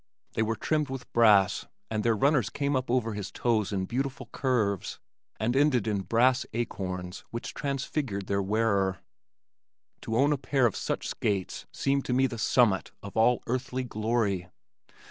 They were trimmed with brass and their runners came up over his toes in beautiful curves and ended in brass acorns which transfigured their wearer. To own a pair of such skates seemed to me the summit of all earthly glory.